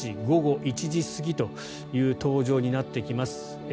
午後１時過ぎという登場になってきます。